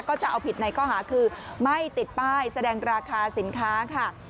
ก็จะเอาผิดในข้อหาคือไม่ติดป้ายแสดงราคาสินค้าค่ะ